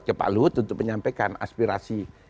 ke pak luhut untuk menyampaikan aspirasi di daerah